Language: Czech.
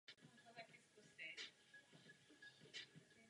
U kostela existoval hřbitov.